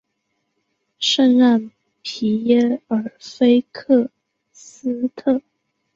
圣让皮耶尔菲克斯特。